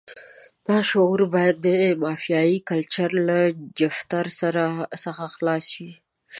دا شعور باید د مافیایي کلچر له جفتر څخه خلاص شي.